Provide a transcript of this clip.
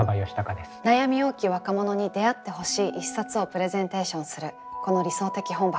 悩み多き若者に出会ってほしい一冊をプレゼンテーションするこの「理想的本箱」。